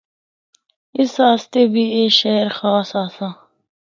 اس آسطے بھی اے شہر خاص آسا۔